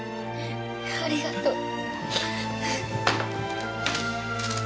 ありがとう。